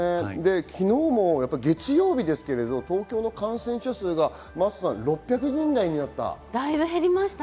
昨日も月曜日ですけれど東京の感染者数が６００人台になりました。